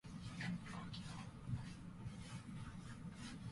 吉沢君は、歌も書も碁もする人でした